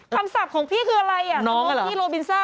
คำศัพท์ของพี่คืออะไรน้องกิโรบินซ่า